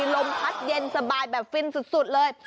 ลมพัดเย็นสบายแบบฟินสุดเลย